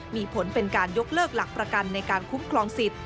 มีผลเป็นการยกเลิกหลักประกันในการคุ้มครองสิทธิ